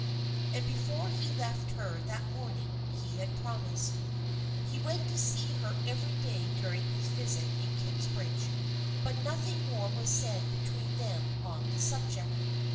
And before he left her that morning he had promised. He went to see her every day during his visit in Kingsbridge, but nothing more was said between them on the subject.